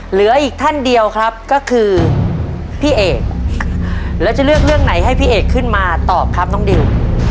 เหลืออีกท่านเดียวครับก็คือพี่เอกแล้วจะเลือกเรื่องไหนให้พี่เอกขึ้นมาตอบครับน้องดิว